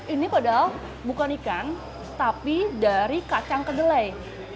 ini padahal bukan ikan tapi dari kacang kedelai